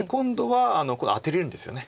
今度はアテれるんですよね。